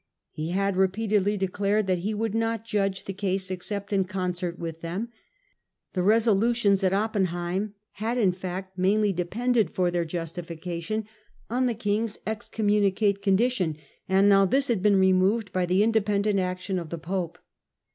He had repeatedly declared that he would not judgp the case except in concert with them ; the resolutiolpis at Oppenheim had, in fact, mainly depended for their justification on the king's excommunicate condition, and now this had been removed by the independent action of the pope.